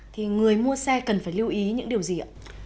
thì người mua xe cần phải lưu ý những điều gì ạ